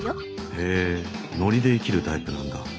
へえノリで生きるタイプなんだ。